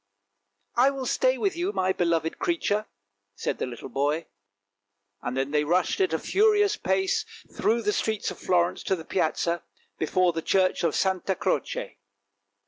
"" I will stay with you, my beloved creature," said the little boy, and then they rushed at a furious pace through the streets of Florence to the Piazza before the church of Santa Croce.